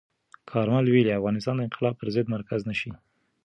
کارمل ویلي، افغانستان د انقلاب پر ضد مرکز نه شي.